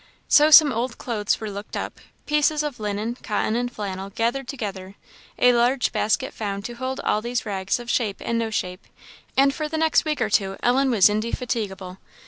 So some old clothes were looked up; pieces of linen, cotton, and flannel gathered together: a large basket found to hold all these rags of shape and no shape; and for the next week or two Ellen was indefatigable.